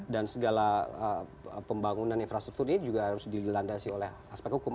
dan segala pembangunan infrastruktur ini juga harus dilandasi oleh aspek hukum